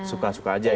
suka suka aja ya